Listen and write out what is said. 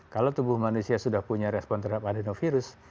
kalau tubuh manusia sudah punya respon terhadap adenovirus